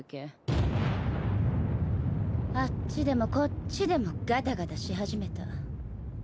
・あっちでもこっちでもガタガタし始めた。